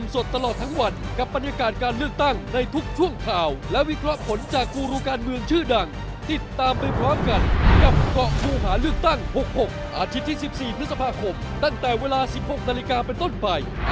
สวัสดีครับ